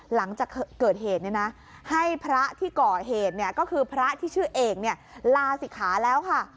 หลังจากเกิดเหตุเนี่ยนะให้พระที่ก่อเหตุเนี่ยก็คือพระที่ชื่อเอกเนี่ยลาศิกขาแล้วค่ะ